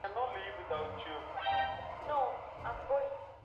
Wafuasi wake wakitumia salamu hiyo kama kionjo chao Shikamoo Maalim